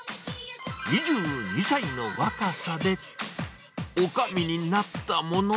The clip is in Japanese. ２２歳の若さで、おかみになったものの。